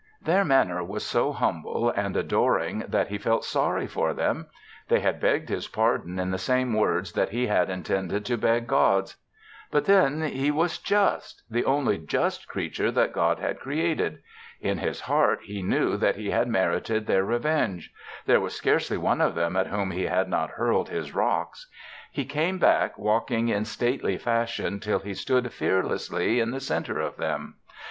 Their manner was so humble and adoring that he felt sorry for them. They had begged his pardon in the same words that he had intended to beg God's. And then he was just the only just creature that God had created. In his heart he knew that he had merited their revenge there was scarcely one of them at whom he had not hurled his rocks. He came back walking in stately fashion till he stood fearlessly in the centre of them.